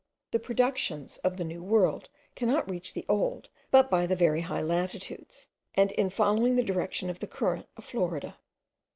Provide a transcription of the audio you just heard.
The productions of the new world cannot reach the old but by the very high latitudes, and in following the direction of the current of Florida.